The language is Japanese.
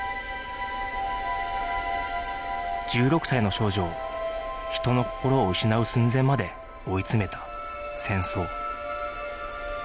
１６歳の少女を人の心を失う寸前まで追い詰めた戦争